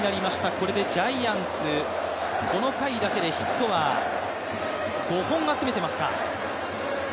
これでジャイアンツ、この回だけでヒットは５本集めていますか。